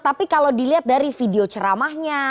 tapi kalau dilihat dari video ceramahnya